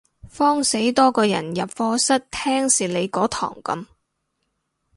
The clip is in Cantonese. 慌死多個人入課室聽蝕你嗰堂噉